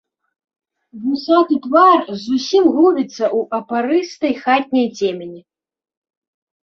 Вусаты твар зусім губіцца ў апарыстай хатняй цемені.